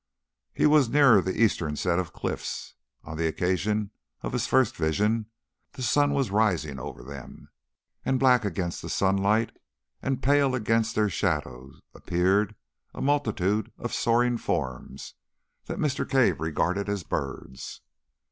He was nearer the eastern set of cliffs, on the occasion of his first vision the sun was rising over them, and black against the sunlight and pale against their shadow appeared a multitude of soaring forms that Mr. Cave regarded as birds.